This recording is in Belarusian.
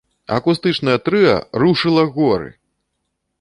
Акустычнае трыа рушыла горы!